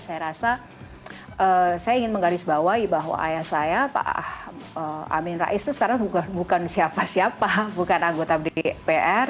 saya rasa saya ingin menggarisbawahi bahwa ayah saya pak amin rais itu sekarang bukan siapa siapa bukan anggota dpr